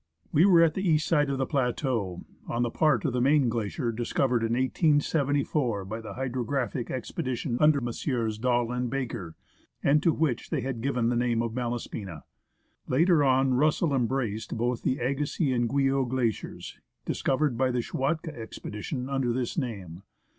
We were at the east side of the plateau, on the part of the main glacier discovered in 1874 by the hydrographic expedition under Messrs. Dall and Baker, and to which they had given the name of Malaspina. Later on, Russell embraced both the Agassiz and Guyot Glaciers, discovered by the Schwatka expedition, under this name.